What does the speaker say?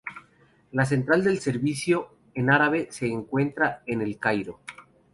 La central del servicio en árabe se encuentra en El Cairo.